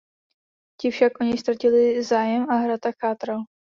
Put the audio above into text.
Ti však o něj ztratili zájem a hrad tak chátral.